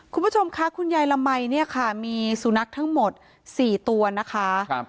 คุณผู้ชมคะคุณยายละมัยมีสูณักทั้งหมด๔ตัวนะคะ